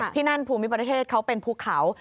ที่นั่นภูมิประเทศเขาเป็นภูเขา